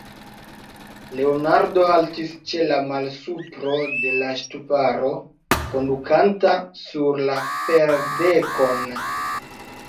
Leonardo haltis ĉe la malsupro de la ŝtuparo, kondukanta sur la ferdekon.